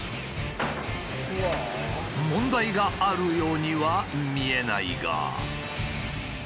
問題があるようには見えないが。